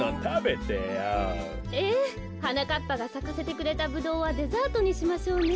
はなかっぱがさかせてくれたブドウはデザートにしましょうね。